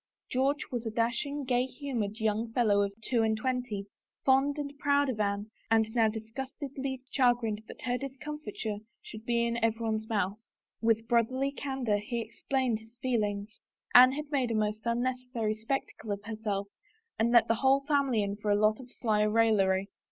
George^was a dashing, gay humored young fellow of two and twenty, fond and proud of Anne and now dis gustedly chagrined that her discomfiture should be in everyone's mouth. With brotherly candor he explained his feelings. Anne had made a most unnecessary spec tacle of herself and let the whole family in for a lot of sly raillery.